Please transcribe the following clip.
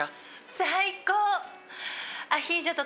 最高！